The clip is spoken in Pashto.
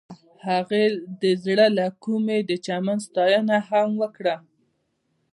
هغې د زړه له کومې د چمن ستاینه هم وکړه.